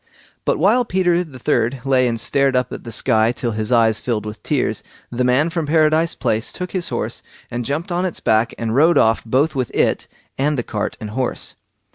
But while Peter the third lay and stared up at the sky till his eyes filled with tears, the man from Paradise Place took his horse and jumped on its back and rode off both with it and the cart and horse.